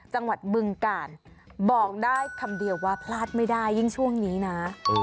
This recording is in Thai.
บึงกาลบอกได้คำเดียวว่าพลาดไม่ได้ยิ่งช่วงนี้นะ